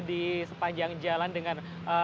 di sepanjang jalan dengan